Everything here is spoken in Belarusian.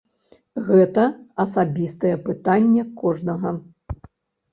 Гэта асабістае пытанне кожнага.